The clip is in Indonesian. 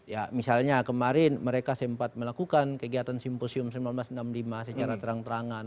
ya misalnya kemarin mereka sempat melakukan kegiatan simposium seribu sembilan ratus enam puluh lima secara terang terangan